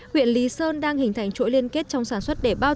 huyện lý sơn đang hình thành chuỗi liên kết trong sản xuất để bao